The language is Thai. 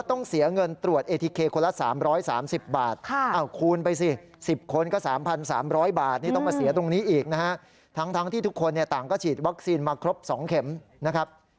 กินมาครบสองเข็มนะครับ